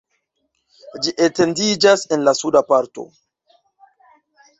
Ĝi etendiĝas en la suda parto.